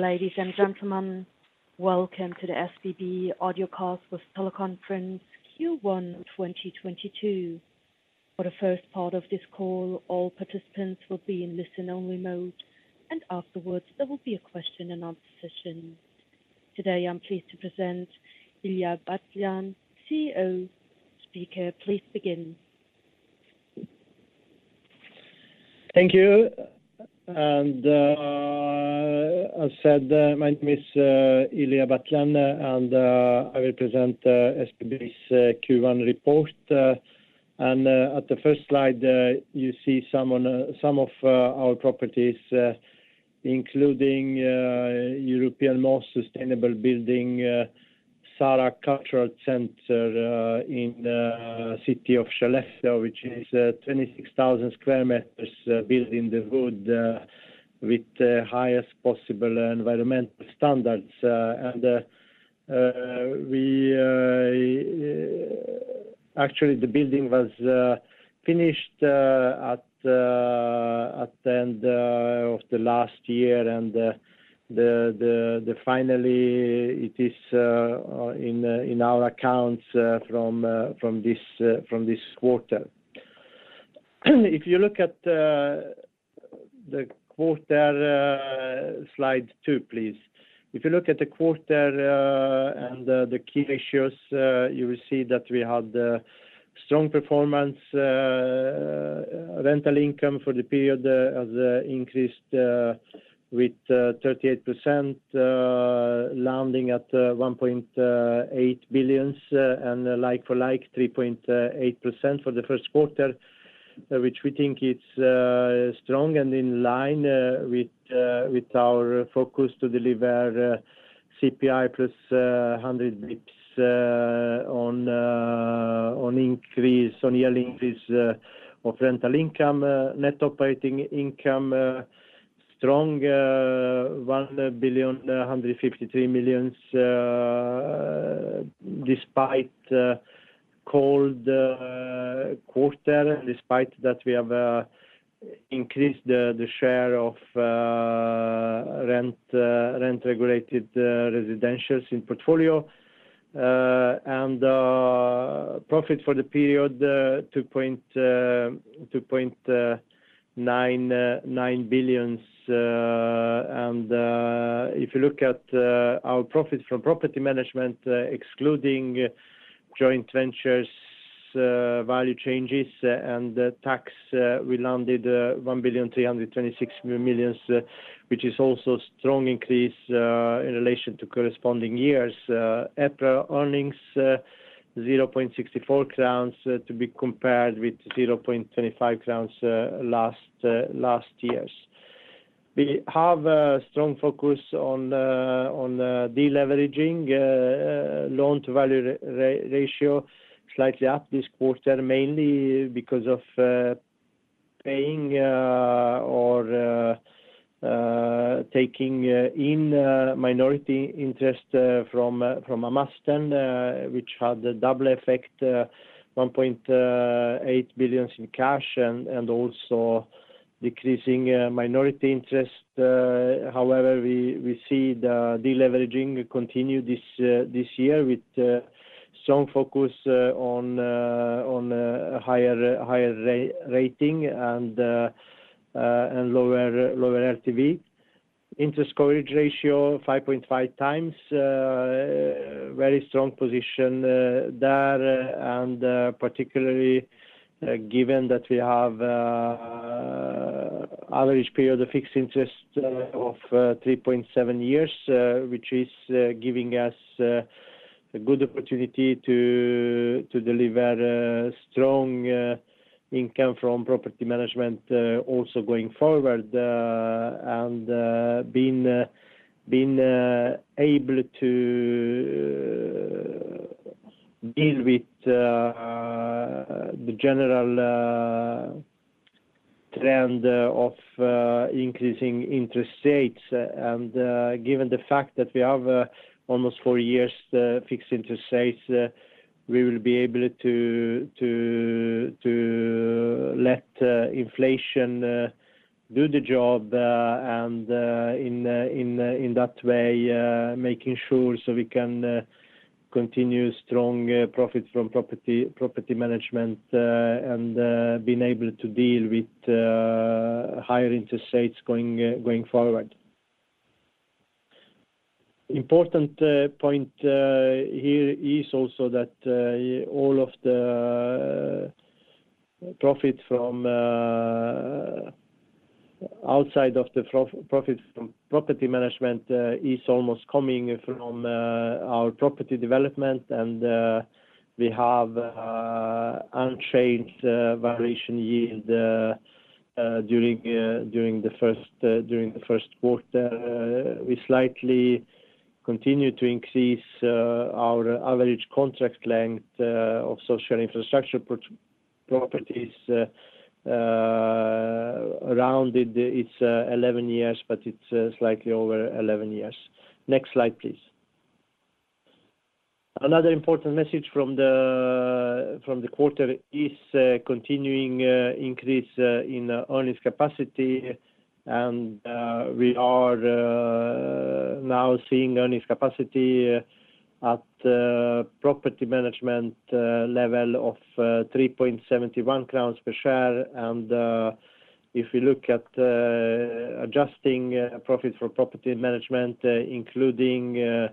Ladies and gentlemen, welcome to the SBB Audiocast with Teleconference Q1 2022. For the first part of this call, all participants will be in listen-only mode, and afterwards, there will be a question and answer session. Today, I am pleased to present Ilija Batljan, CEO. Speaker, please begin. Thank you. As said, my name is Ilija Batljan, and I will present SBB's Q1 report. At the first slide, you see some of our properties, including European Most Sustainable Building, Sara Cultural Center, in city of Skellefteå, which is 26,000 sq m, built in wood, with the highest possible environmental standards. Actually, the building was finished at the end of last year. Finally, it is in our accounts from this quarter. If you look at the quarter slide two, please. If you look at the quarter and the key ratios, you will see that we had strong performance. Rental income for the period has increased with 38%, landing at 1.8 billion and a like-for-like 3.8% for the first quarter, which we think it's strong and in line with our focus to deliver CPI plus 100 bps on yearly increase of rental income. Net operating income strong 1,153,000, despite cold quarter, despite that we have increased the share of rent-regulated residentials in portfolio. The profit for the period 2.99 billion. If you look at our profits from property management excluding joint ventures value changes and the tax we landed 1,326,000 which is also strong increase in relation to corresponding years. EPRA earnings 0.64 crowns to be compared with 0.25 crowns last years. We have a strong focus on deleveraging loan-to-value ratio slightly up this quarter mainly because of taking in minority interest from Amasten which had a double effect 1.8 billion in cash and also decreasing minority interest. However, we see the deleveraging continue this year with strong focus on a higher rating and lower LTV. Interest coverage ratio 5.5x. Very strong position there, and particularly given that we have average period of fixed interest of 3.7 years, which is giving us a good opportunity to deliver strong income from property management also going forward and been able to deal with the general trend of increasing interest rates. Given the fact that we have almost four years fixed interest rates, we will be able to to let inflation do the job and in that way making sure so we can continue strong profits from property management and being able to deal with higher interest rates going forward. Important point here is also that all of the profit from outside of the profits from property management is almost coming from our property development. We have unchanged valuation yield during the first quarter. We slightly continue to increase our average contract length of social infrastructure properties. Rounded, it's 11 years, but it's slightly over 11 years. Next slide, please. Another important message from the quarter is continuing increase in earnings capacity. We are now seeing earnings capacity at the property management level of 3.71 crowns per share. If you look at the adjusted profit for property management including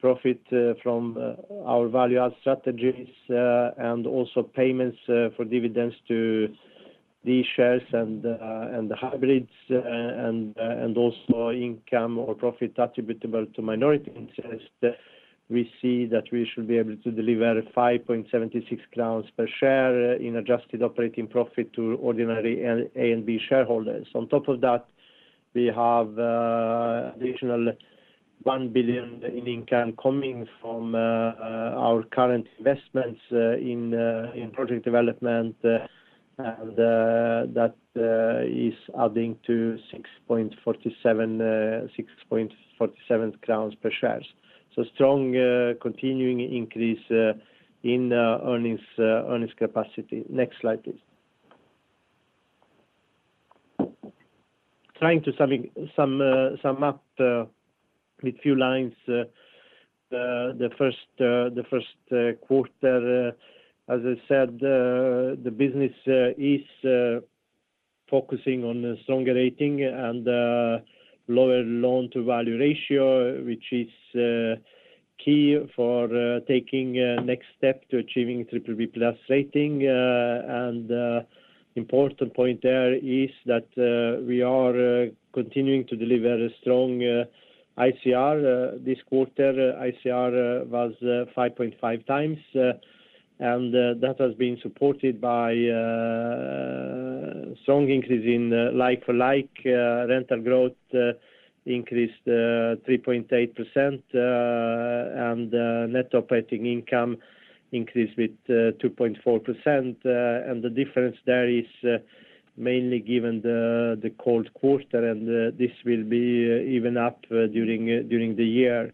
profit from our value add strategies, and also payments for dividends to these shares and the hybrids, and also income or profit attributable to minority interests, we see that we should be able to deliver 5.76 crowns per share in adjusted operating profit to ordinary A and B shareholders. On top of that, we have additional 1 billion in income coming from our current investments in project development. That is adding to 6.47, 6.47 crowns per share. Strong continuing increase in earnings capacity. Next slide, please. Trying to sum up with a few lines the first quarter. As I said, the business is focusing on a stronger rating and lower loan-to-value ratio which is key for taking next step to achieving BBB+ rating. Important point there is that we are continuing to deliver a strong ICR. This quarter ICR was 5.5x and that has been supported by a strong increase in like-for-like rental growth increased 3.8% and net operating income increased with 2.4%. The difference there is mainly given the cold quarter and this will be even up during the year.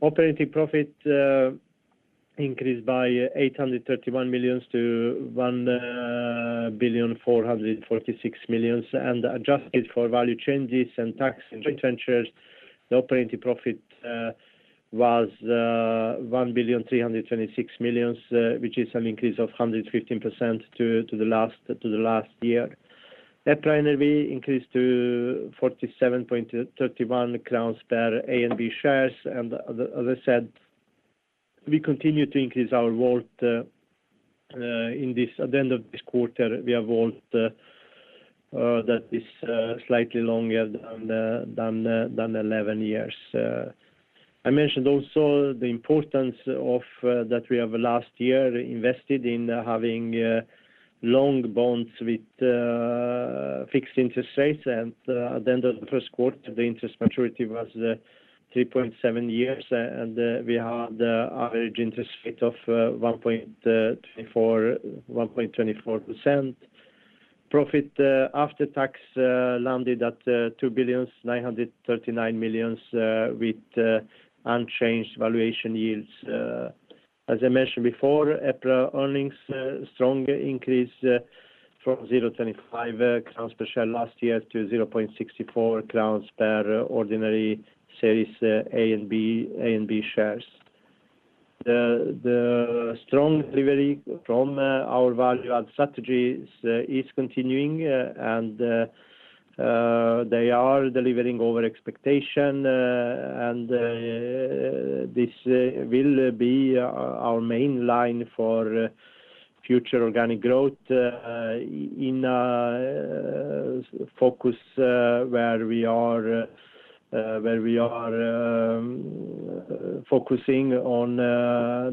Operating profit increased by 831,000-1,446,000. Adjusted for value changes and tax retentions, the operating profit was 1,326,000 which is an increase of 115% to the last year. EPRA NAV increased to 47.31 crowns per A and B shares. As I said, we continue to increase our WAULT. At the end of this quarter, we have WAULT that is slightly longer than 11 years. I mentioned also the importance of that we have last year invested in having long bonds with fixed interest rates. At the end of the first quarter, the interest maturity was 3.7 years, and we had the average interest rate of 1.24%, 1.24%. Profit after tax landed at 2,939,000 billion with unchanged valuation yields. As I mentioned before, EPRA earnings strong increase from 0.25 crowns per share last year to 0.64 crowns per ordinary shares A and B, A and B shares. The strong delivery from our value add strategies is continuing and they are delivering over expectation. This will be our main line for future organic growth, in focus where we are focusing on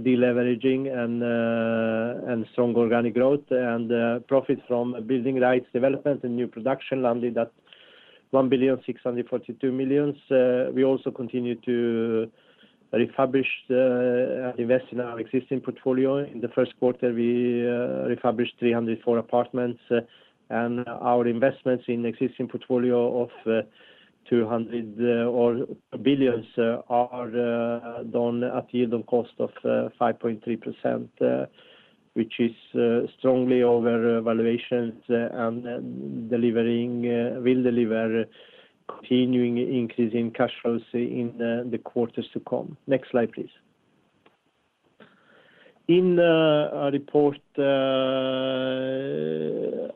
deleveraging and strong organic growth. Profits from building rights development and new production landed at 1,642,000. We also continue to invest in our existing portfolio. In the first quarter we refurbish 304 apartments. Our investments in existing portfolio of 200 billion are done at yield on cost of 5.3% which is strongly over valuations and will deliver continuing increase in cash flows in the quarters to come. Next slide, please. In our report,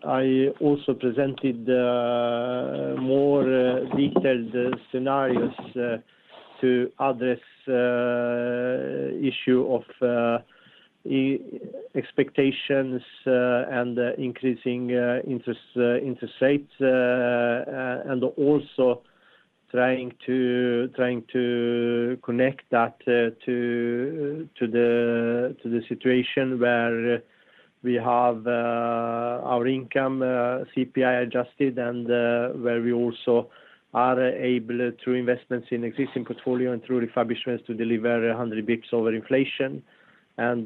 I also presented the more detailed scenarios to address issue of expectations and increasing interest rates. Also trying to connect that to the situation where we have our income CPI adjusted and where we also are able through investments in existing portfolio and through refurbishments to deliver 100 bps over inflation. At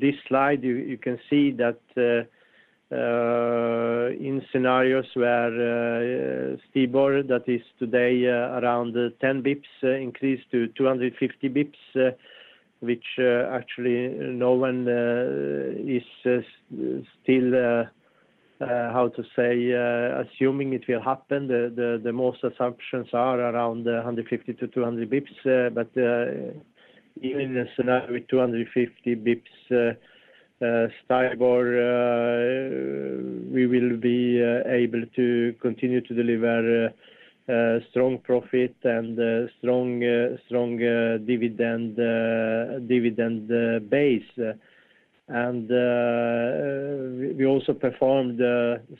this slide you can see that in scenarios where STIBOR that is today around 10 basis points increase to 250 basis points, which actually no one is still assuming it will happen. The most assumptions are around 150 to 200 basis points. But even in a scenario with 250 basis points STIBOR, we will be able to continue to deliver a strong profit and a strong dividend base. We also performed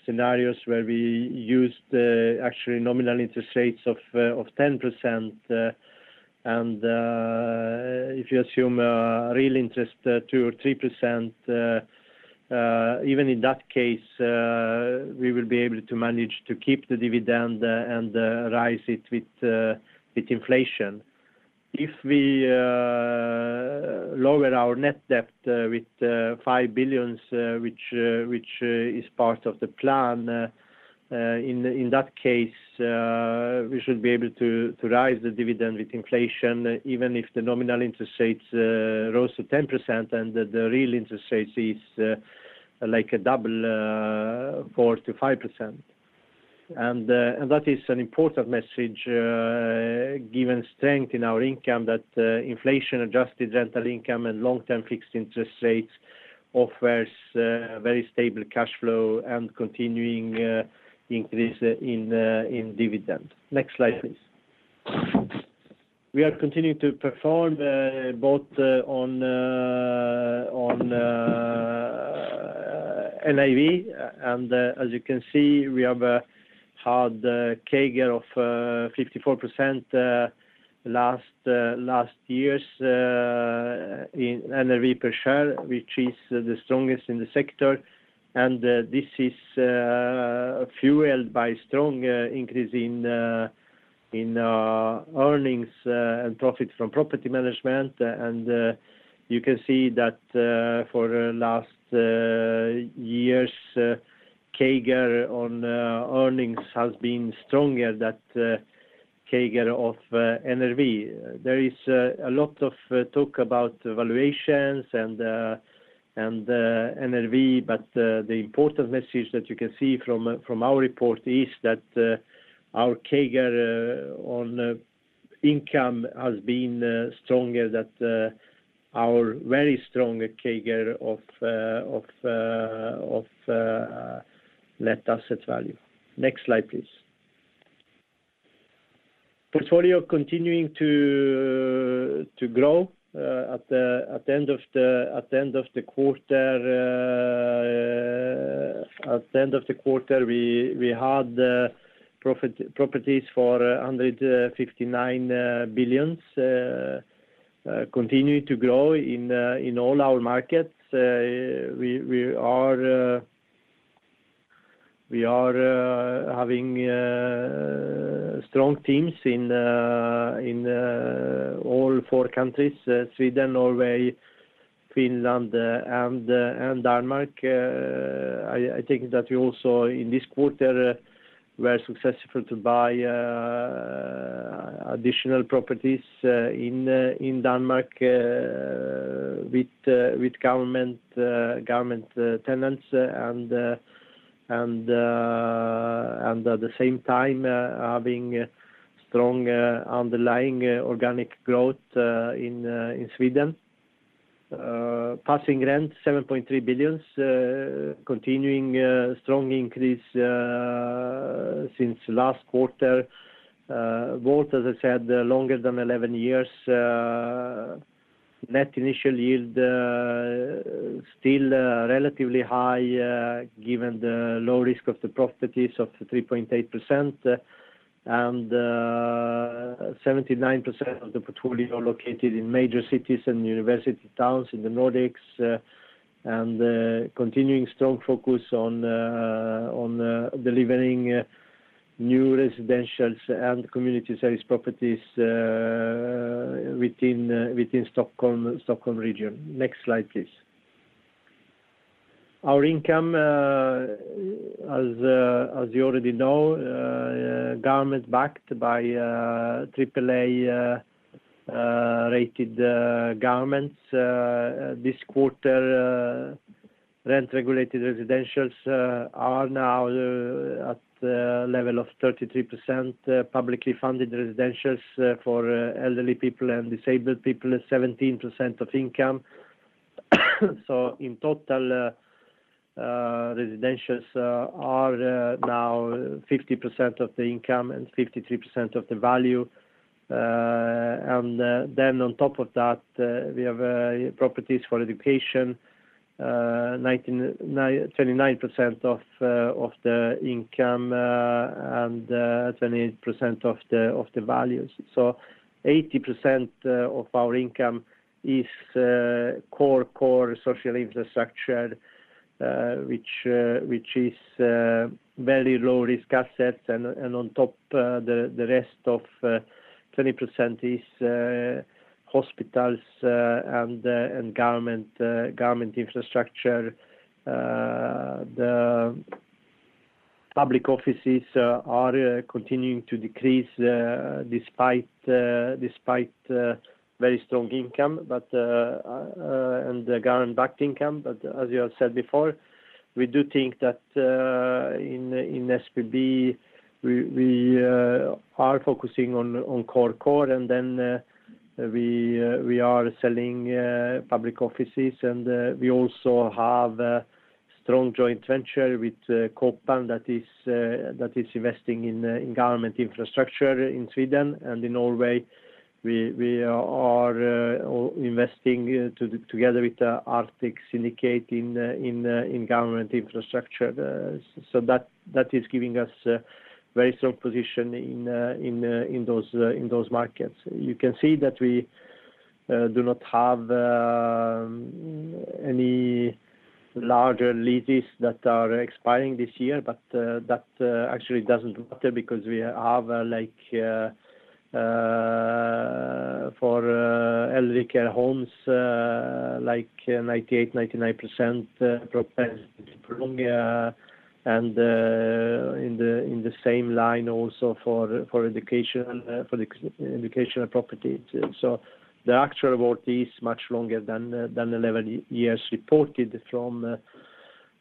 scenarios where we used actually nominal interest rates of 10%. If you assume real interest 2% or 3%, even in that case, we will be able to manage to keep the dividend and rise it with inflation. If we lower our net debt with 5 billion, which is part of the plan, in that case, we should be able to rise the dividend with inflation, even if the nominal interest rates rose to 10% and the real interest rates is like a double, 4%-5%. That is an important message, given strength in our income that inflation-adjusted rental income and long-term fixed interest rates offers very stable cash flow and continuing increase in dividend. Next slide, please. We are continuing to perform both on NAV. As you can see, we have had a CAGR of 54% last years in NAV per share, which is the strongest in the sector. This is fueled by strong increase in earnings and profits from property management. You can see that for the last years CAGR on earnings has been stronger than CAGR of NAV. There is a lot of talk about valuations and NAV, but the important message that you can see from our report is that our CAGR on income has been stronger than our very strong CAGR of net asset value. Next slide, please. Portfolio continuing to grow at the end of the quarter, we had properties for 159 billion, continuing to grow in all our markets. We are having strong teams in all four countries, Sweden, Norway, Finland, and Denmark. I think that we also in this quarter were successful to buy additional properties in Denmark with government tenants and at the same time having strong underlying organic growth in Sweden. Passing rent, 7.3 billion, continuing strong increase since last quarter. WAULT, as I said, longer than 11 years. Net initial yield still relatively high, given the low risk of the properties of 3.8%. 79% of the portfolio located in major cities and university towns in the Nordics. Continuing strong focus on delivering new residentials and community service properties within Stockholm region. Next slide, please. Our income, as you already know, government-backed by AAA rated governments. This quarter, rent-regulated residentials are now at the level of 33%, publicly funded residentials for elderly people and disabled people, 17% of income. In total, residentials are now 50% of the income and 53% of the value. We have properties for education, 29% of the income, and 28% of the values. 80% of our income is core social infrastructure, which is very low-risk assets. On top, the rest of 20% is hospitals, and government infrastructure. Public offices are continuing to decrease despite very strong income, and the government-backed income. As you have said before, we do think that in SBB, we are focusing on core and then we are selling public offices. We also have a strong joint venture with Kåpan that is investing in government infrastructure in Sweden. In Norway, we are investing together with Arctic Securities in government infrastructure. That is giving us a very strong position in those markets. You can see that we do not have any larger leases that are expiring this year. That actually doesn't matter because we have, like, for elderly care homes, like 98%-99% property. In the same line also for education for the educational properties. The actual WAULT is much longer than 11 years reported from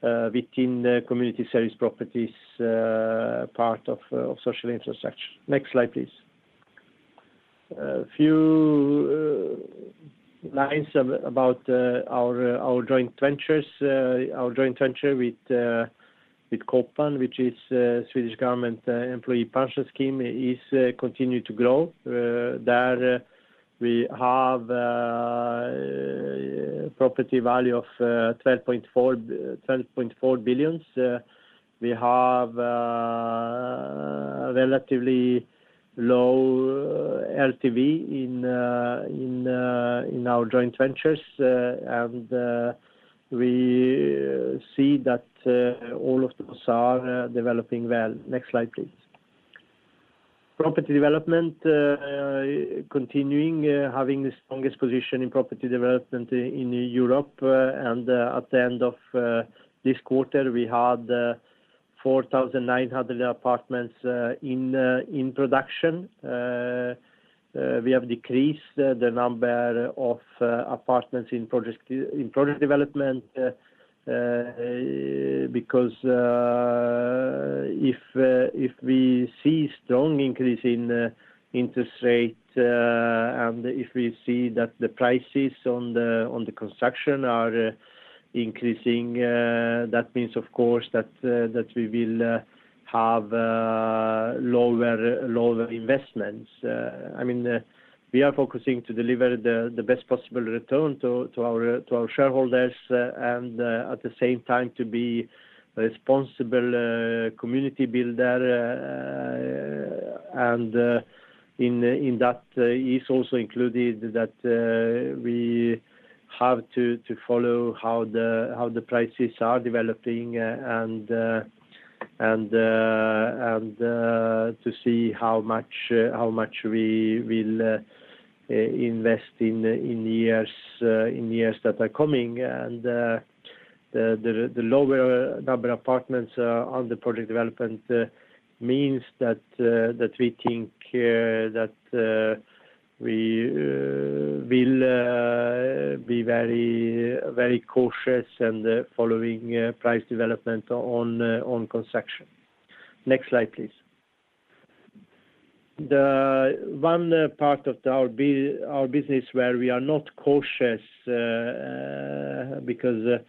within the community service properties part of social infrastructure. Next slide, please. Few lines about our joint ventures. Our joint venture with Kåpan, which is Swedish government employee pension scheme, is continuing to grow. There we have property value of 12.4 billion. We have relatively low LTV in our joint ventures. We see that all of those are developing well. Next slide, please. Property development continuing having the strongest position in property development in Europe. At the end of this quarter, we had 4,900 apartments in production. We have decreased the number of apartments in project development because if we see strong increase in interest rate and if we see that the prices on the construction are increasing, that means, of course, that we will have lower investments. I mean, we are focusing to deliver the best possible return to our shareholders and at the same time, to be responsible community builder. In that is also included that we have to follow how the prices are developing and to see how much we will invest in years that are coming. The lower number apartments on the project development means that we think that we will be very cautious and following price development on construction. Next slide, please. The one part of our business where we are not cautious, because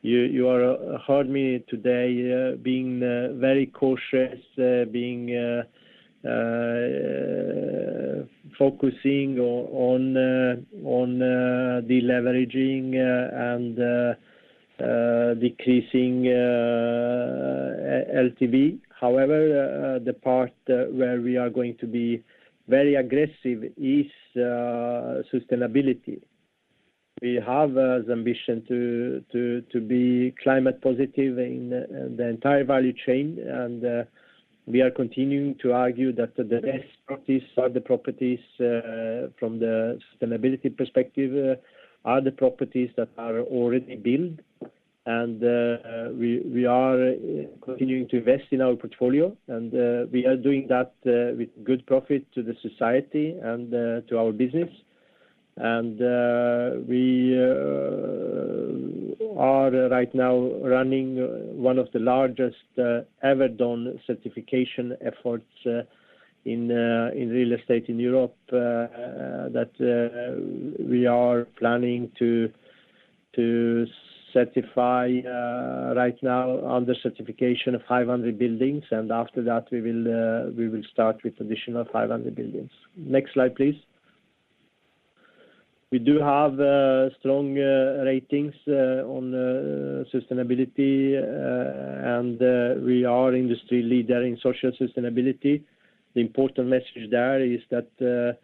you have heard me today, being very cautious, focusing on deleveraging and decreasing LTV. However, the part where we are going to be very aggressive is sustainability. We have the ambition to be climate positive in the entire value chain. We are continuing to argue that the best properties from the sustainability perspective are the properties that are already built. We are continuing to invest in our portfolio, and we are doing that with good profit to the society and to our business. We are right now running one of the largest ever done certification efforts in real estate in Europe. That we are planning to certify right now on the certification of 500 buildings, and after that, we will start with additional 500 buildings. Next slide, please. We do have strong ratings on sustainability, and we are industry leader in social sustainability. The important message there is that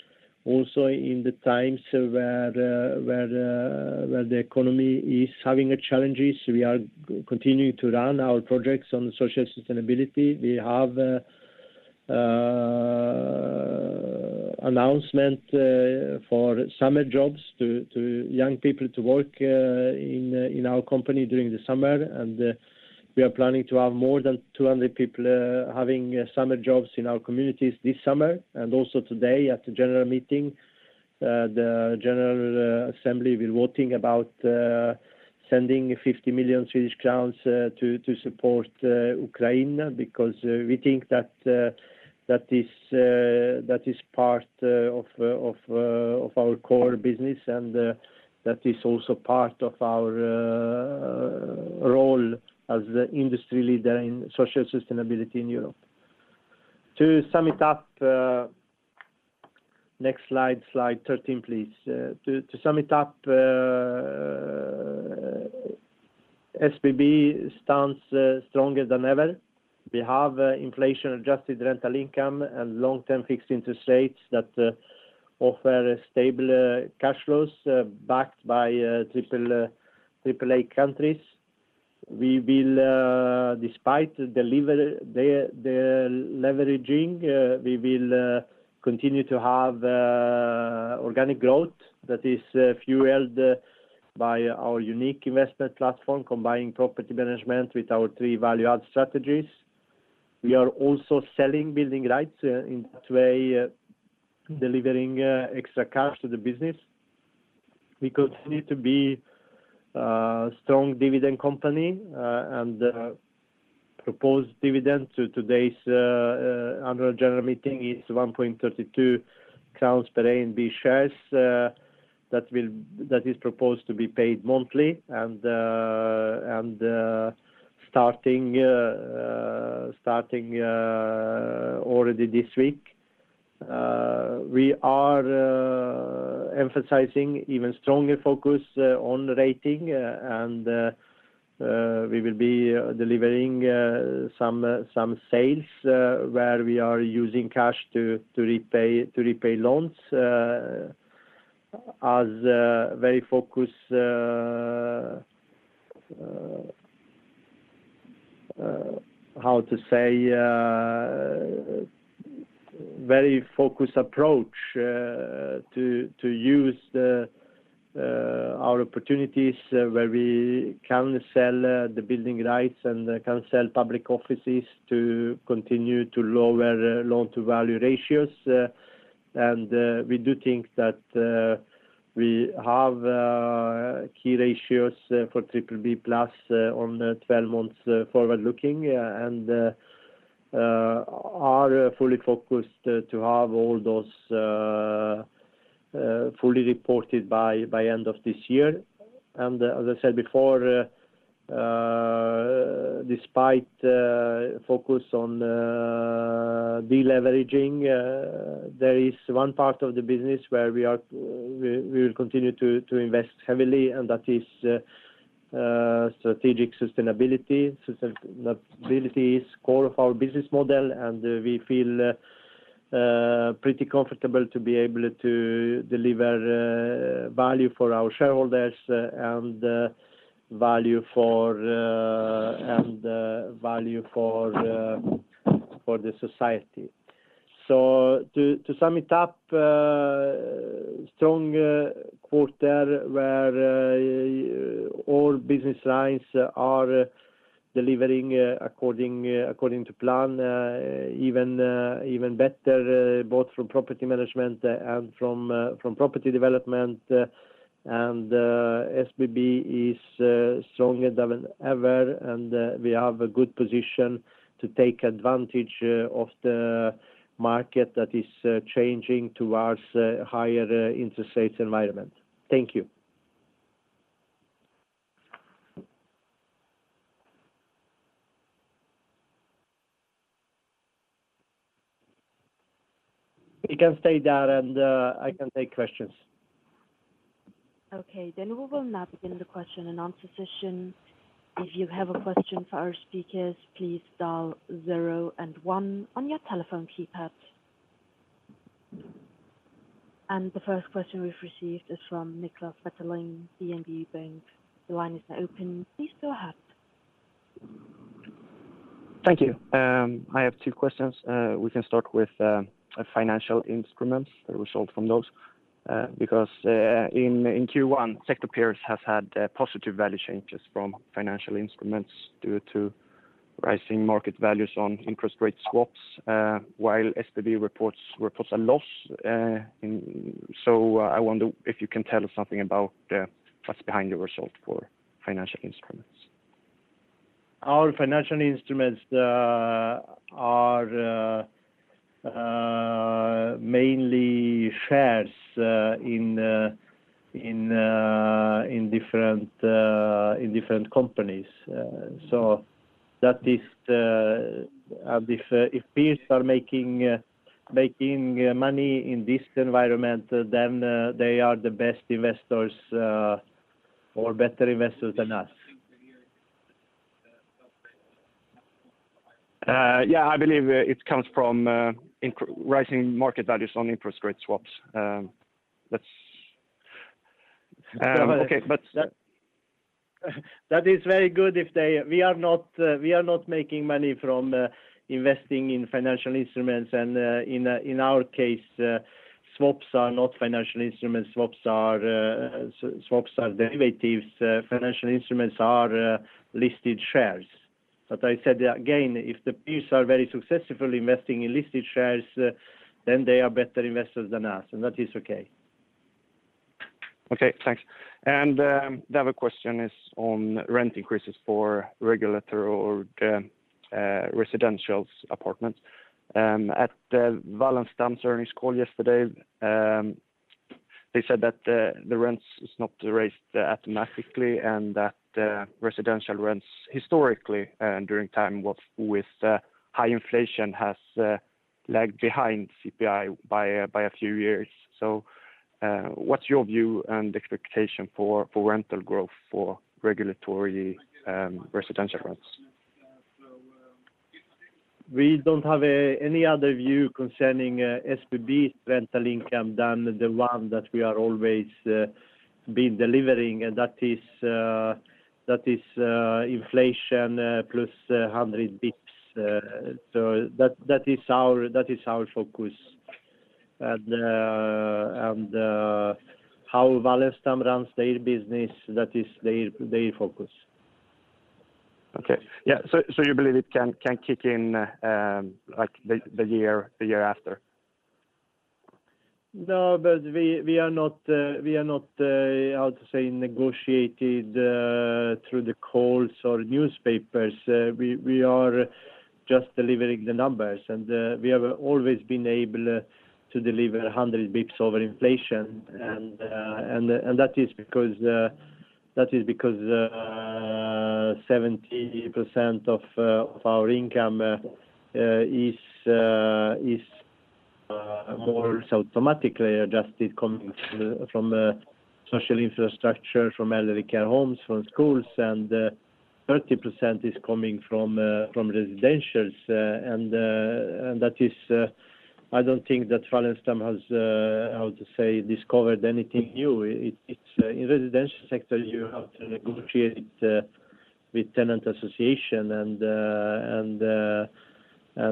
also in the times where the economy is having challenges, we are continuing to run our projects on social sustainability. We have an announcement for summer jobs to young people to work in our company during the summer. We are planning to have more than 200 people having summer jobs in our communities this summer. Also today at the general meeting, the general assembly will vote about sending 50 million Swedish crowns to support Ukraine because we think that that is part of our core business and that is also part of our role as the industry leader in social sustainability in Europe. To sum it up, next slide 13, please. To sum it up, SBB stands stronger than ever. We have inflation-adjusted rental income and long-term fixed interest rates that offer stable cash flows backed by AAA countries. We will, despite deleveraging, continue to have organic growth that is fueled by our unique investment platform, combining property management with our three value-add strategies. We are also selling building rights in that way, delivering extra cash to the business. We continue to be a strong dividend company and proposed dividend to today's annual general meeting is 1.32 crowns per A and B shares. That is proposed to be paid monthly and starting already this week. We are emphasizing even stronger focus on rating, and we will be delivering some sales where we are using cash to repay loans as very focused approach to use our opportunities where we can sell the building rights and can sell public offices to continue to lower loan-to-value ratios. We do think that we have key ratios for BBB+ on the 12 months forward-looking and are fully focused to have all those fully reported by end of this year. As I said before, despite focus on deleveraging, there is one part of the business where we will continue to invest heavily, and that is strategic sustainability. Sustainability is core of our business model, and we feel pretty comfortable to be able to deliver value for our shareholders, and value for the society. To sum it up, strong quarter where all business lines are delivering according to plan, even better, both from property management and from property development. SBB is stronger than ever, and we have a good position to take advantage of the market that is changing towards a higher interest rates environment. Thank you. We can stay there and I can take questions. Okay. We will now begin the question and answer session. If you have a question for our speakers, please dial zero and one on your telephone keypad. The first question we've received is from Niklas Wetterling, DNB Bank. The line is now open. Please go ahead. Thank you. I have two questions. We can start with financial instruments, the result from those. Because in Q1, sector peers have had positive value changes from financial instruments due to rising market values on interest rate swaps, while SBB reports a loss. I wonder if you can tell us something about what's behind the result for financial instruments. Our financial instruments are mainly shares in different companies. That is, if peers are making money in this environment, then they are the best investors or better investors than us. Yeah, I believe it comes from increasing market values on interest rate swaps. That's okay, but. We are not making money from investing in financial instruments. In our case, swaps are not financial instruments. Swaps are derivatives. Financial instruments are listed shares. I said again, if the peers are very successfully investing in listed shares, then they are better investors than us, and that is okay. Okay, thanks. The other question is on rent increases for regulated or residential apartments. At the Wallenstam earnings call yesterday, they said that the rents is not raised automatically and that residential rents historically during times with high inflation has lagged behind CPI by a few years. What's your view and expectation for rental growth for regulated residential rents? We don't have any other view concerning SBB rental income than the one that we are always been delivering, and that is inflation plus 100 bps. So that is our focus. How Wallenstam runs their business, that is their focus. Okay. Yeah. You believe it can kick in like the year after? No, but we are not negotiated through the calls or newspapers. We are just delivering the numbers, and we have always been able to deliver 100 basis points over inflation. That is because 70% of our income is more automatically adjusted coming from social infrastructure, from elderly care homes, from schools, and 30% is coming from residentials. That is, I don't think that Wallenstam has discovered anything new. It's in residential sector, you have to negotiate with tenant association. We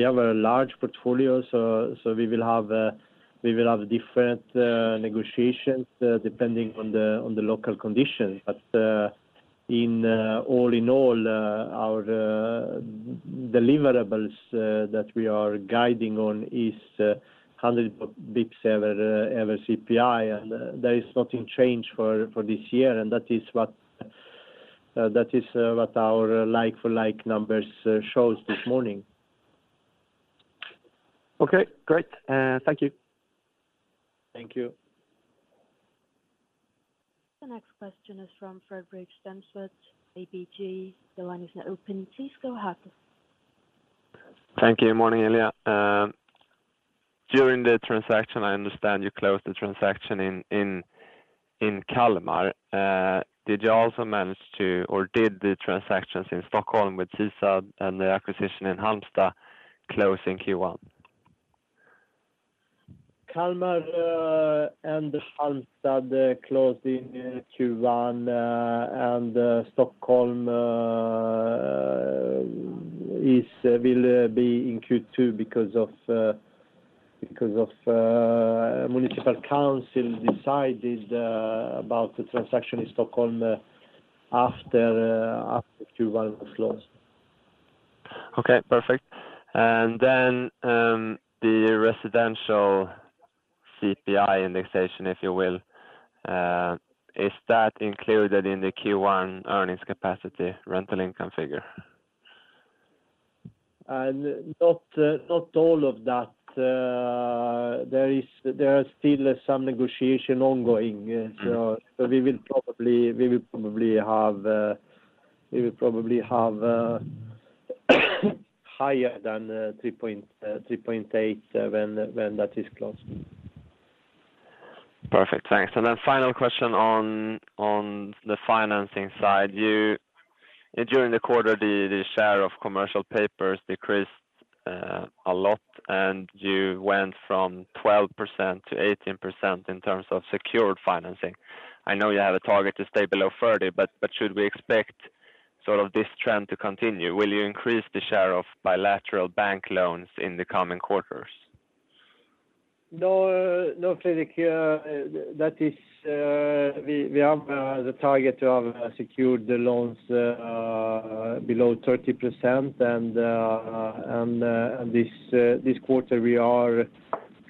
have a large portfolio, so we will have different negotiations depending on the local condition. All in all, our deliverables that we are guiding on is 100 bps over CPI, and there is nothing changed for this year, and that is what our like-for-like numbers shows this morning. Okay, great. Thank you. Thank you. The next question is from Fredrik Stensved, ABG. The line is now open. Please go ahead. Thank you. Morning, Ilija. During the transaction, I understand you closed the transaction in Kalmar. Did you also manage to or did the transactions in Stockholm with SISAB and the acquisition in Halmstad close in Q1? Kalmar and Halmstad closed in Q1, and Stockholm will be in Q2 because the municipal council decided about the transaction in Stockholm after Q1 was closed. Okay, perfect. The residential CPI indexation, if you will, is that included in the Q1 earnings capacity rental income figure? Not all of that. There are still some negotiations ongoing. We will probably have higher than 3.8% when that is closed. Perfect. Thanks. Final question on the financing side. During the quarter, the share of commercial papers decreased a lot, and you went from 12%-18% in terms of secured financing. I know you have a target to stay below 30%, but should we expect sort of this trend to continue? Will you increase the share of bilateral bank loans in the coming quarters? No, Fredrik. That is, we have the target to have secured the loans below 30%. This quarter, we are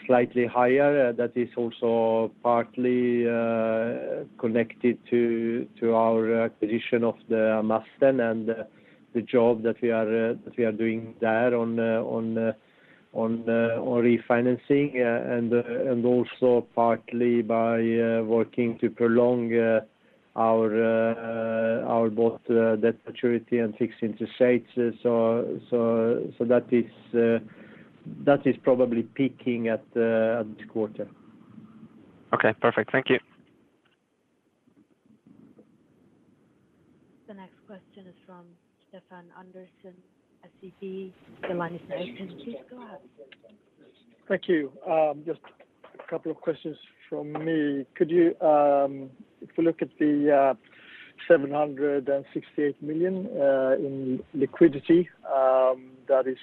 slightly higher. That is also partly connected to our acquisition of the Amasten and the job that we are doing there on refinancing, and also partly by working to prolong our both debt maturity and fixed interest rates. That is probably peaking at this quarter. Okay, perfect. Thank you. The next question is from Stefan Andersson, SEB. The line is open. Please go ahead. Thank you. Just a couple of questions from me. Could you, if you look at the 768 million in liquidity, that is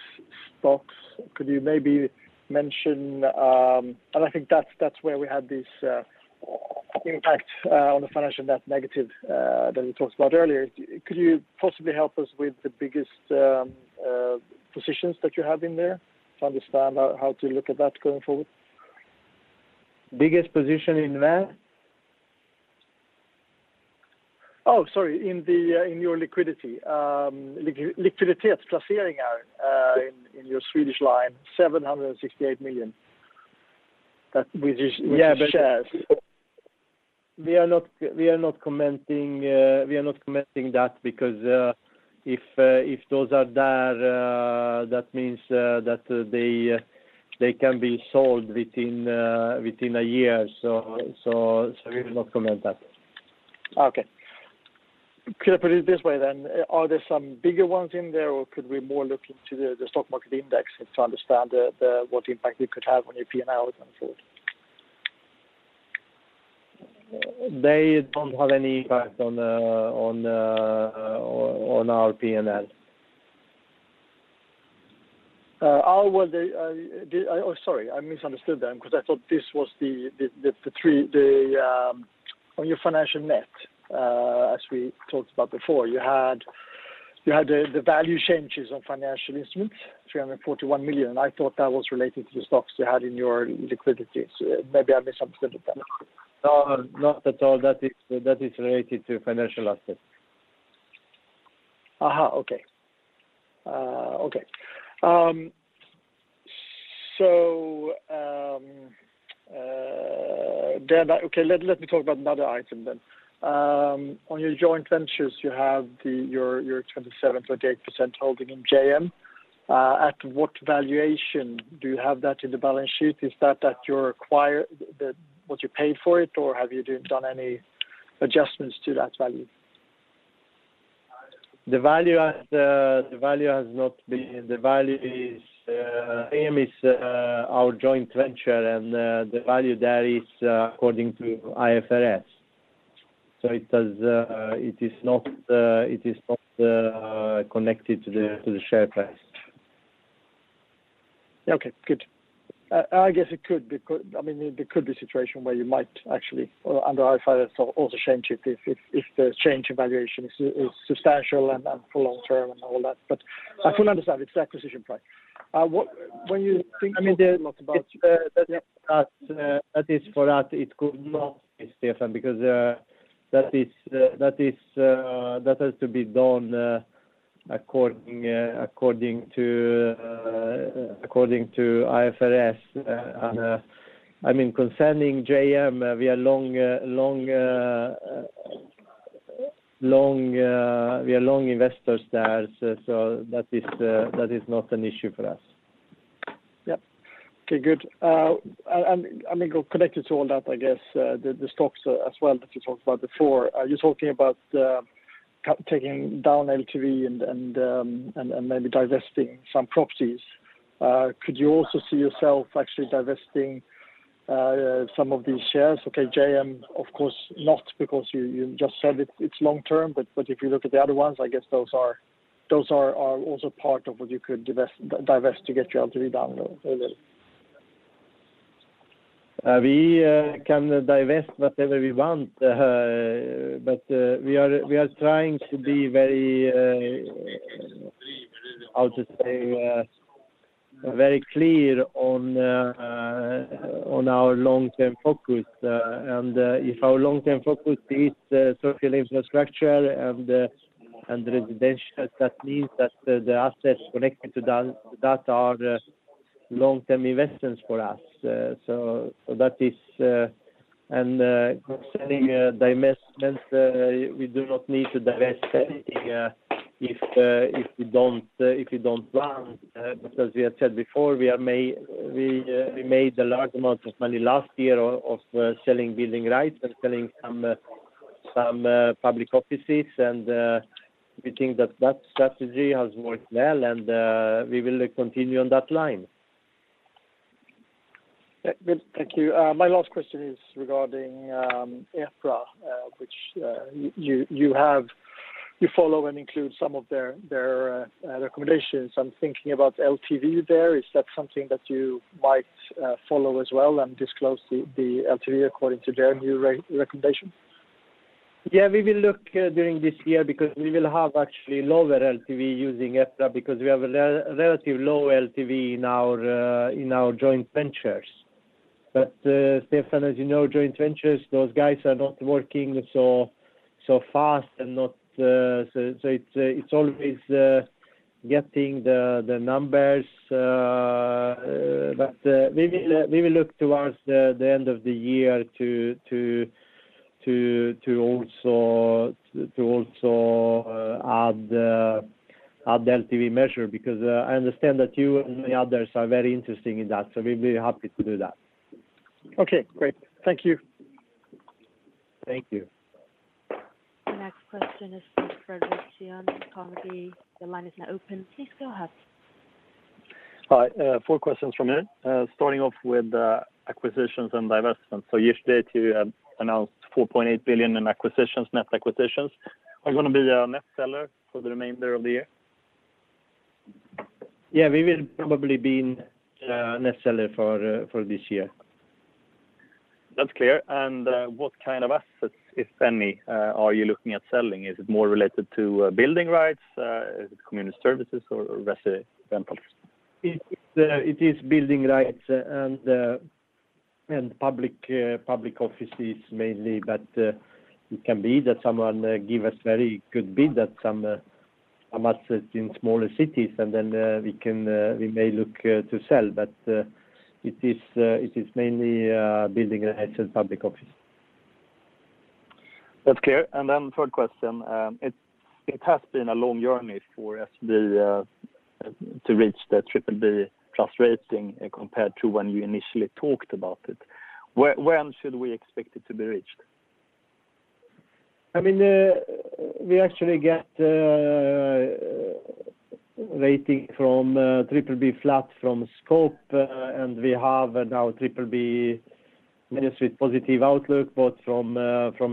stocks. Could you maybe mention. I think that's where we had this impact on the financial net negative that we talked about earlier. Could you possibly help us with the biggest positions that you have in there to understand how to look at that going forward? Biggest position in what? Oh, sorry. In your liquidity. Liquidity [at placement, andra], in your Swedish line, 768 million. That which is. Yeah. -shares. We are not commenting that because if those are there, that means that they can be sold within a year. We will not comment that. Okay. Could I put it this way then? Are there some bigger ones in there, or could we more look into the stock market index and to understand the what impact it could have on your P&L going forward? They don't have any impact on our P&L. Sorry, I misunderstood then because I thought this was the 341 million on your financial net, as we talked about before. You had the value changes on financial instruments, 341 million. I thought that was related to the stocks you had in your liquidity. Maybe I misunderstood that. No, not at all. That is related to financial assets. Okay. Let me talk about another item then. On your joint ventures, you have your 27%-28% holding in JM. At what valuation do you have that in the balance sheet? Is that your what you paid for it, or have you done any adjustments to that value? The value is Amasten, our joint venture, and the value there is according to IFRS. It is not connected to the share price. Okay, good. I guess I mean, it could be a situation where you might actually under IFRS also change it if the change in valuation is substantial and for long term and all that. I fully understand it's the acquisition price. When you think- I mean, that it could not be Stefan because that has to be done according to IFRS. I mean, concerning JM, we are long investors there, so that is not an issue for us. Yeah. Okay, good. I mean, connected to all that, I guess, the stocks as well that we talked about before. Are you talking about taking down LTV and maybe divesting some properties? Could you also see yourself actually divesting some of these shares? Okay, JM, of course not because you just said it's long term, but if you look at the other ones, I guess those are also part of what you could divest to get your LTV down a little. We can divest whatever we want, but we are trying to be very, how to say, very clear on our long-term focus. If our long-term focus is social infrastructure and residential, that means that the assets connected to that that are long-term investments for us. That is concerning divestment, we do not need to divest anything if we don't want. Because we had said before, we made a large amount of money last year of selling building rights and selling some public offices, and we think that strategy has worked well, and we will continue on that line. Yeah. Good. Thank you. My last question is regarding EPRA, which you follow and include some of their recommendations. I'm thinking about LTV there. Is that something that you might follow as well and disclose the LTV according to their new recommendation? Yeah. We will look during this year because we will have actually lower LTV using EPRA because we have a relatively low LTV in our joint ventures. Stefan, as you know, joint ventures, those guys are not working so fast and not so it's always getting the numbers. We will look towards the end of the year to also add LTV measure because I understand that you and many others are very interested in that, so we'll be happy to do that. Okay, great. Thank you. Thank you. The next question is from Fredric Cyon from Carnegie. The line is now open. Please go ahead. Hi, four questions from me. Starting off with the acquisitions and divestments. Yesterday announced 4.8 billion in acquisitions. Net acquisitions are gonna be a net seller for the remainder of the year. Yeah, we will probably be net seller for this year. That's clear. What kind of assets, if any, are you looking at selling? Is it more related to building rights, is it community services or residential properties? It is building rights and public offices mainly. It can be that someone give us very good bid on some assets in smaller cities, and then we may look to sell. It is mainly building rights and public offices. That's clear. Third question. It has been a long journey for SBB to reach the BBB+ rating compared to when you initially talked about it. When should we expect it to be reached? I mean, we actually get rating from BBB flat from Scope, and we have now BBB- with positive outlook, both from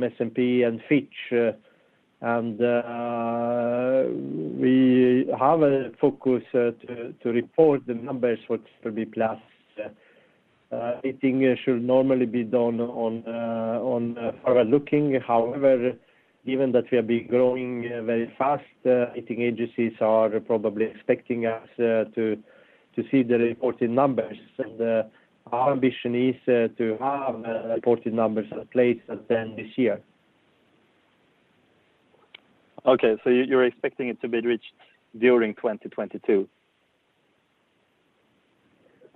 S&P and Fitch. We have a focus to report the numbers for BBB+. Rating should normally be done on forward looking. However, given that we have been growing very fast, rating agencies are probably expecting us to see the reported numbers. Our ambition is to have reported numbers in place at the end this year. Okay. You're expecting it to be reached during 2022?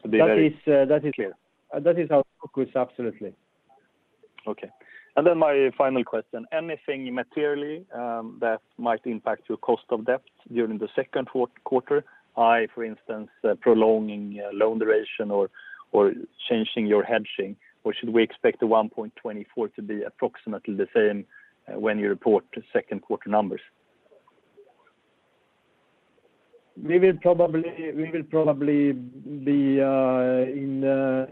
That is, uh, that is- Clear. That is our focus, absolutely. Okay. My final question. Anything materially that might impact your cost of debt during the second quarter? I, for instance, prolonging loan duration or changing your hedging, or should we expect the 1.24% to be approximately the same when you report second quarter numbers? We will probably be unchanged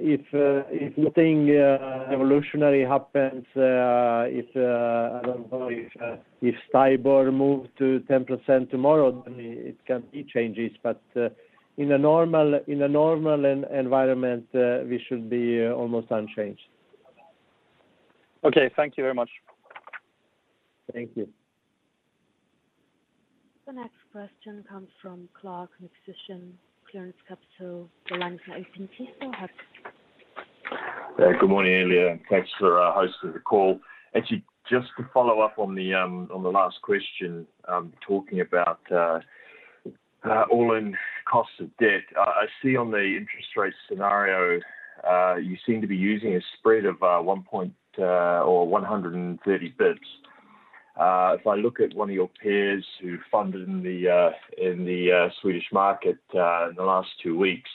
if nothing revolutionary happens. I don't know if STIBOR moves to 10% tomorrow, then it can change. In a normal environment, we should be almost unchanged. Okay. Thank you very much. Thank you. The next question comes from Clark McPherson, Clearance Capital. The line is now open. Please go ahead. Good morning, everyone. Thanks for hosting the call. Actually, just to follow up on the last question, talking about all-in cost of debt. I see on the interest rate scenario, you seem to be using a spread of one point or 130 basis points. If I look at one of your peers who funded in the Swedish market in the last two weeks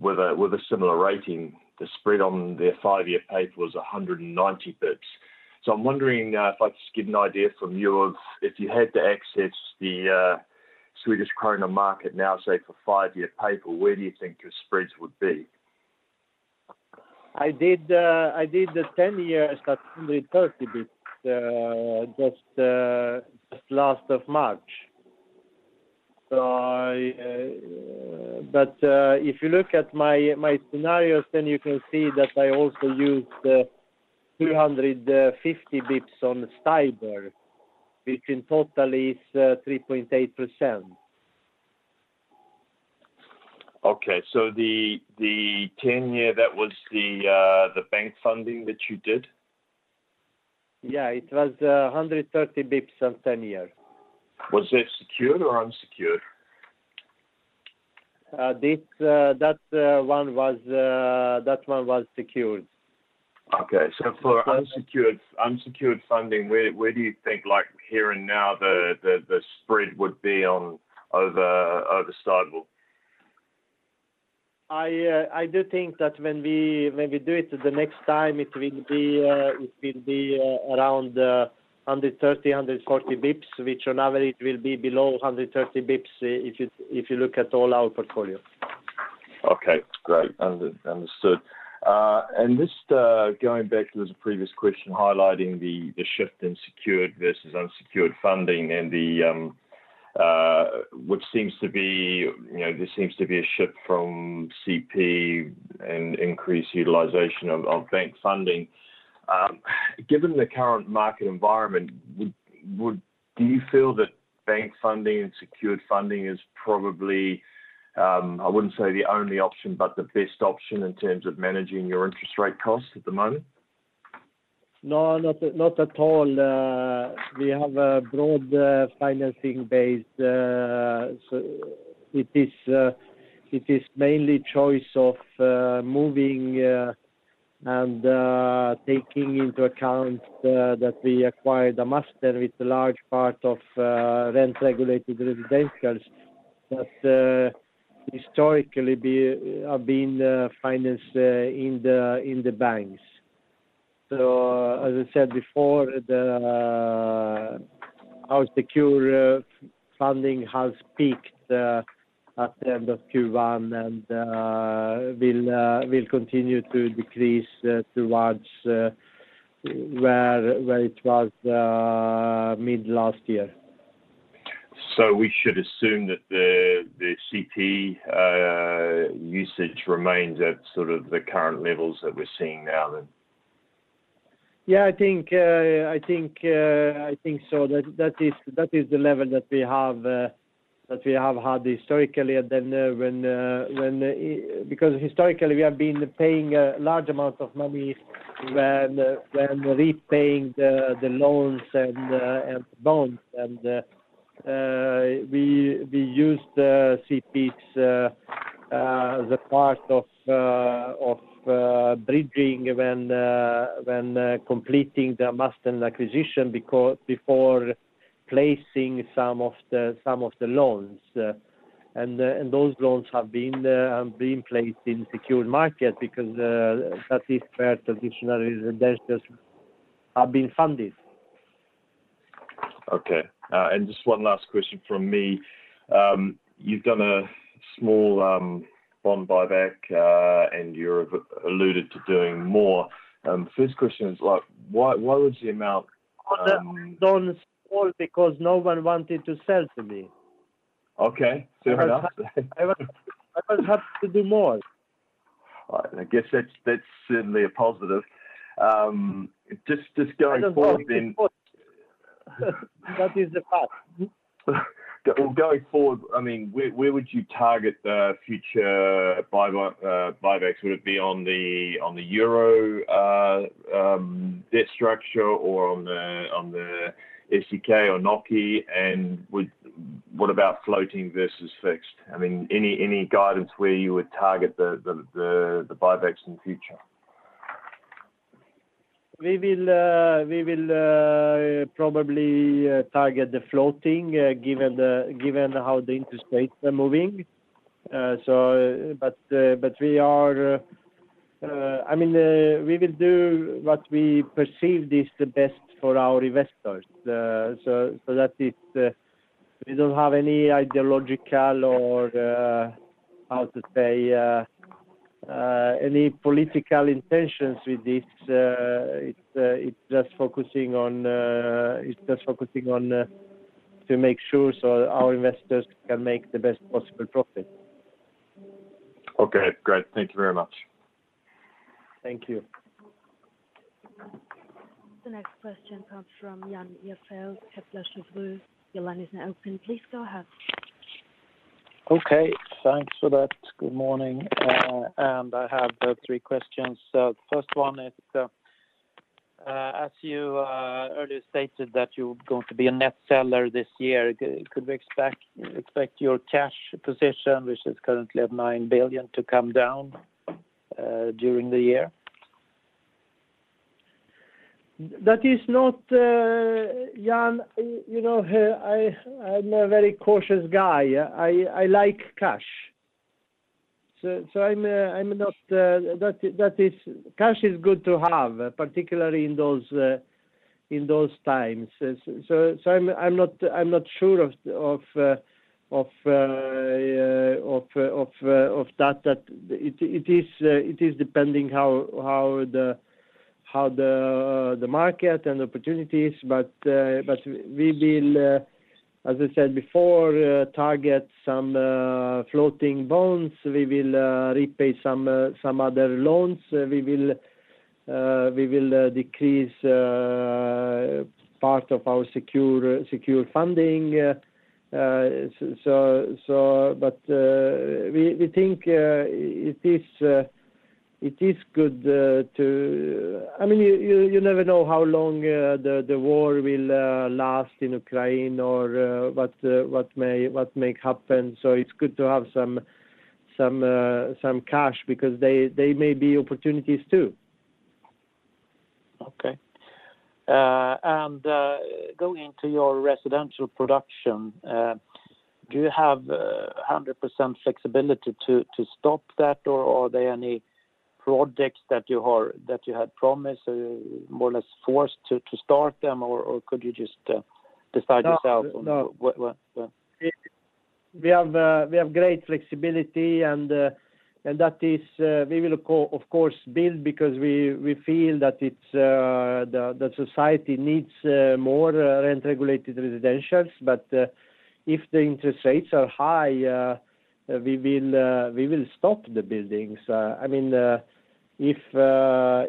with a similar rating, the spread on their five-year paper was 190 basis points. I'm wondering if I could just get an idea from you of, if you had to access the Swedish krona market now, say for five-year paper, where do you think your spreads would be? I did the 10 years at 230 bps just last March. If you look at my scenarios, then you can see that I also used 250 bps on STIBOR, which in total is 3.8%. The ten-year that was the bank funding that you did? Yeah, it was 130 basis points on 10-year. Was it secured or unsecured? That one was secured. Okay. For unsecured funding, where do you think like here and now the spread would be on over STIBOR? I do think that when we do it the next time, it will be around 130 bps-140 bps, which on average will be below 130 bps if you look at all our portfolios. Okay, great. Understood. Just going back to this previous question, highlighting the shift in secured versus unsecured funding and which seems to be, you know, this seems to be a shift from CP and increased utilization of bank funding. Given the current market environment, would you feel that bank funding and secured funding is probably, I wouldn't say the only option, but the best option in terms of managing your interest rate costs at the moment? No, not at all. We have a broad financing base. It is mainly choice of moving and taking into account that we acquired Amasten with the large part of rent-regulated residentials that historically have been financed in the banks. As I said before, the housing-secured funding has peaked at the end of Q1 and will continue to decrease towards where it was mid last year. We should assume that the CP usage remains at sort of the current levels that we're seeing now then? Yeah, I think so. That is the level that we have had historically. Because historically we have been paying a large amount of money when repaying the loans and bonds. We used CPs as a part of bridging when completing the Amasten acquisition because before placing some of the loans. Those loans have been placed in secured market because that is where traditionally residentials have been funded. Okay. Just one last question from me. You've done a small bond buyback, and you've alluded to doing more. First question is like why would the amount Well, that was small because no one wanted to sell to me. Okay. Fair enough. I will have to do more. All right. I guess that's certainly a positive. Just going forward then. I don't know. That is the fact. Well, going forward, I mean, where would you target the future buybacks? Would it be on the euro debt structure or on the SEK or NOK? What about floating versus fixed? I mean, any guidance where you would target the buybacks in future? We will probably target the floating given how the interest rates are moving. We will do what we perceive is the best for our investors. We don't have any ideological or political intentions with this. It's just focusing on to make sure our investors can make the best possible profit. Okay. Great. Thank you very much. Thank you. The next question comes from Jan Ihrfelt, Kepler Cheuvreux. Your line is now open. Please go ahead. Okay. Thanks for that. Good morning. I have three questions. First one is, as you earlier stated that you're going to be a net seller this year, could we expect your cash position, which is currently at 9 billion, to come down during the year? That is not Jan, you know, I'm a very cautious guy. I like cash. Cash is good to have, particularly in those times. I'm not sure of that. It depends on how the market and opportunities. We will, as I said before, target some floating bonds. We will repay some other loans. We will decrease part of our secured funding. We think it is good to. I mean, you never know how long the war will last in Ukraine or what may happen. It's good to have some cash because there may be opportunities too. Going to your residential production, do you have 100% flexibility to stop that, or are there any projects that you had promised, so you're more or less forced to start them, or could you just decide yourself on- No, no. What? We have great flexibility and that is, we will of course build because we feel that the society needs more rent-regulated residentials. If the interest rates are high, we will stop building. I mean, if the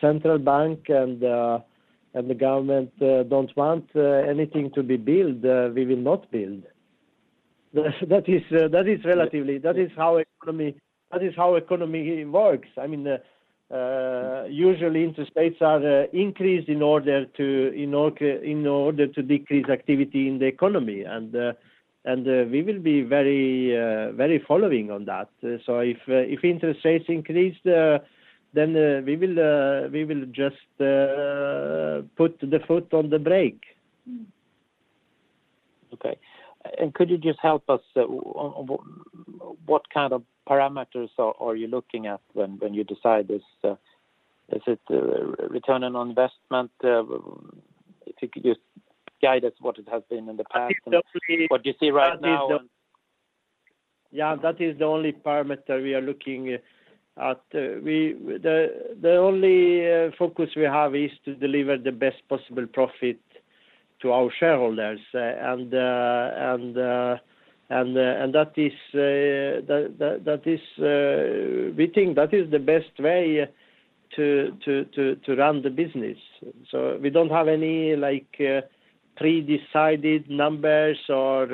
central bank and the government don't want anything to be built, we will not build. That is how the economy works. I mean, usually interest rates are increased in order to decrease activity in the economy. We will be very following on that. If interest rates increase, then we will just put the foot on the brake. Okay. Could you just help us on what kind of parameters are you looking at when you decide this? Is it return on investment? If you could just guide us what it has been in the past. I think that we. -what you see right now and- Yeah, that is the only parameter we are looking at. The only focus we have is to deliver the best possible profit to our shareholders. That is, we think that is the best way to run the business. We don't have any like pre-decided numbers or,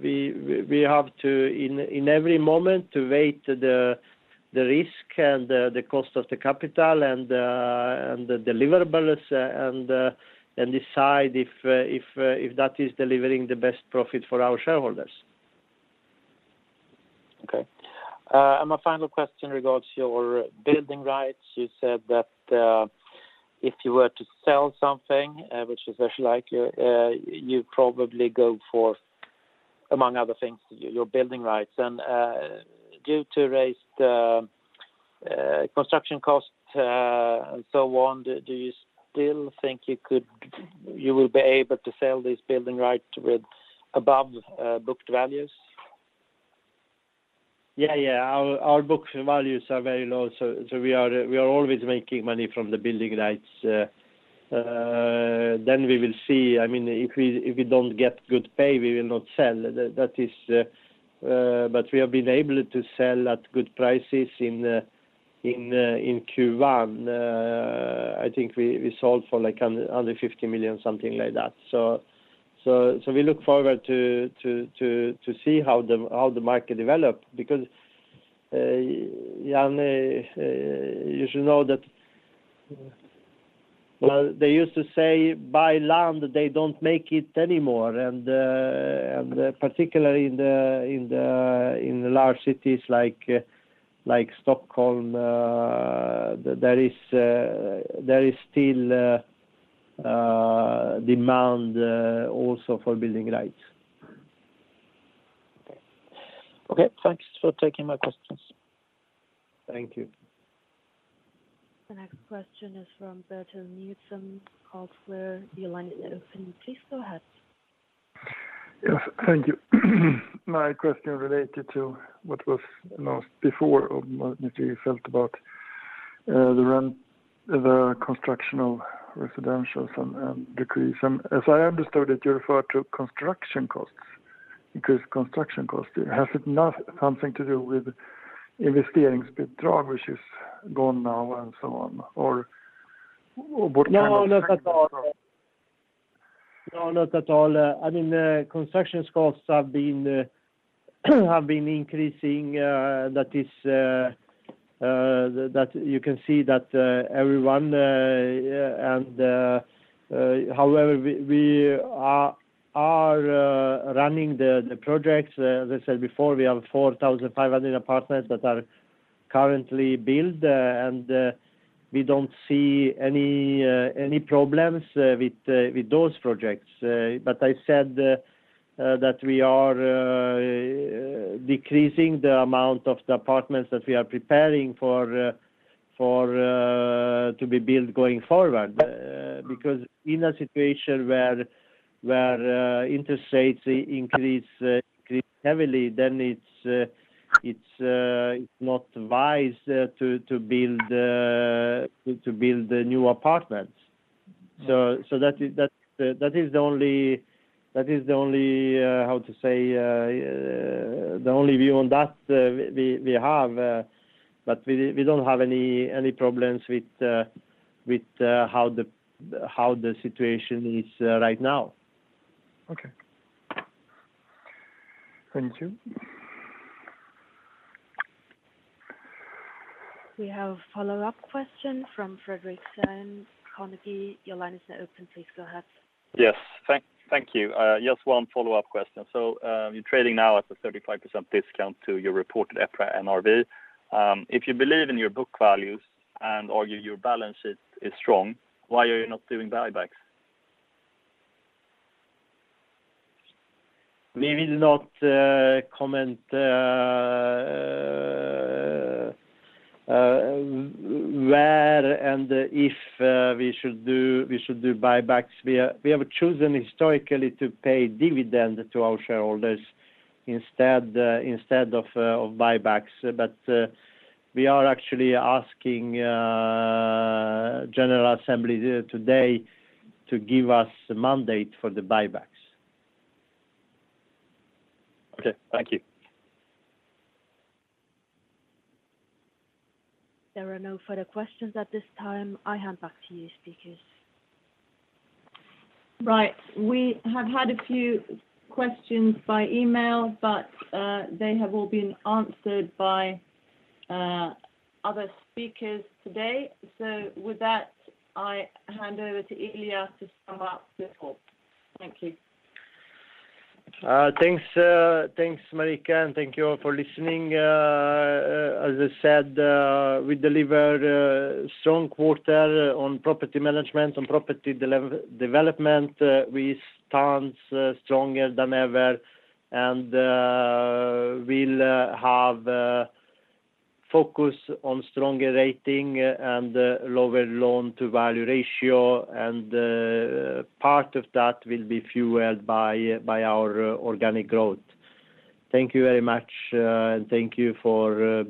we have to in every moment to weigh the risk and the cost of the capital and the deliverability, and decide if that is delivering the best profit for our shareholders. Okay. My final question regards your building rights. You said that, if you were to sell something, which is less likely, you probably go for, among other things, your building rights. Due to raised construction costs, and so on, do you still think you will be able to sell this building right with above booked values? Yeah, yeah. Our booked values are very low, so we are always making money from the building rights. We will see. I mean, if we don't get good price, we will not sell. We have been able to sell at good prices in Q1. I think we sold for like 150 million, something like that. We look forward to see how the market develops. Because Jan, you should know that, well, they used to say, "Buy land, they don't make it anymore." Particularly in the large cities like Stockholm, there is still demand also for building rights. Okay, thanks for taking my questions. Thank you. The next question is from Bertil Nilsson, Carlsquare. Your line is open. Please go ahead. Yes, thank you. My question related to what was asked before, if you felt about the rent, the construction of residential and decrease. As I understood it, you refer to construction costs, increased construction costs. Has it not something to do with investeringsstöd, which is gone now and so on? Or what kind of No, not at all. I mean, construction costs have been increasing. However, we are running the projects. As I said before, we have 4,500 apartments that are currently built, and we don't see any problems with those projects. But I said that we are decreasing the amount of the apartments that we are preparing for to be built going forward. Because in a situation where interest rates increase heavily, then it's not wise to build new apartments. That is the only view on that. We don't have any problems with how the situation is right now. Okay. Thank you. We have a follow-up question from Fredric Cyon, Carnegie. Your line is now open. Please go ahead. Yes. Thank you. Just one follow-up question. You're trading now at a 35% discount to your reported EPRA NRV. If you believe in your book values and argue your balance is strong, why are you not doing buybacks? We will not comment where and if we should do buybacks. We have chosen historically to pay dividend to our shareholders instead of buybacks. We are actually asking general assembly today to give us a mandate for the buybacks. Okay. Thank you. There are no further questions at this time. I hand back to you, speakers. Right. We have had a few questions by email, but they have all been answered by other speakers today. With that, I hand over to Ilija to sum up the call. Thank you. Thanks, Marika, and thank you all for listening. As I said, we delivered a strong quarter on property management, on property development. We stand stronger than ever and we'll have focus on stronger rating and lower loan to value ratio, and part of that will be fueled by our organic growth. Thank you very much, and thank you for